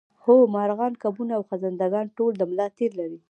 هو مارغان کبونه او خزنده ګان ټول د ملا تیر لري